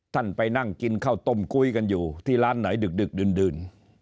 ไปนั่งกินข้าวต้มกุ้ยกันอยู่ที่ร้านไหนดึกดื่น